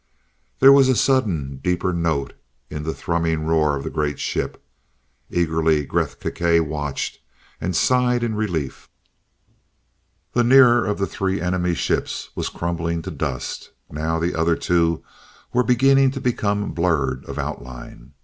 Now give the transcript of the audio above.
There was a sudden, deeper note in the thrumming roar of the great ship. Eagerly Gresth Gkae watched and sighed in relief. The nearer of the three enemy ships was crumbling to dust. Now the other two were beginning to become blurred of outline.